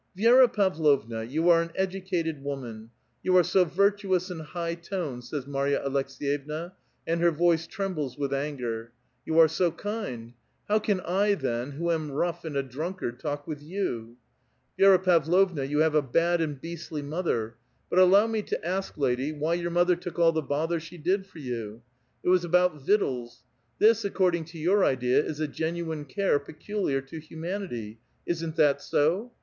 ^' Vi^ra Pavlovna, you are an educated woman ; you are so virtuous and high toned," says Marya Aleks^yevna, and her voice trembles with anger; *• you are so kincl; how can 1 then, who am rough and a drunkard, talk with you ? Vi^ra Pavlovna, you have a bad and beastly mother ; but allow me to ask, lady, why your mother took all the bother she did for you? It was about victuals. This, according to your idea, is a genuine care peculiar to humanity ; isn't that so?